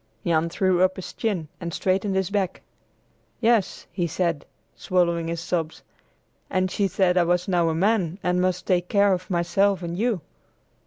Jan threw up his chin, and straightened his back. "Yes," he said, swallowing his sobs, "and she said I was now a man and must take care of myself and you."